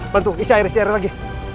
bantu isi air isi air lagi